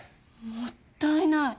もったいない。